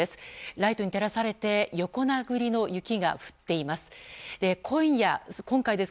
ライトに照らされて横殴りの雪が降っています。